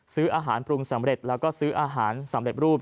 ซื้ออาหารปรุงสำเร็จแล้วก็ซื้ออาหารสำเร็จรูป